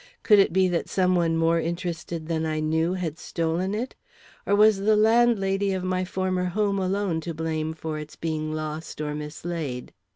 Could it be that some one more interested than I knew had stolen it? Or was the landlady of my former home alone to blame for its being lost or mislaid?